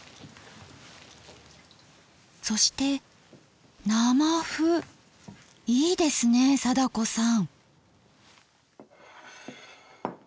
そしていいですね貞子さん。